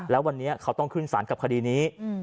แล้ววันนี้เขาต้องขึ้นสารกับคดีนี้